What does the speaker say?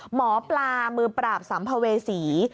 หมอปลามือปราบสัมภเวษี